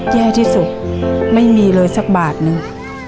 แย่ที่สุดไม่มีเลยสักบาทนึง